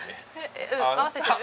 えっうん合わせてる。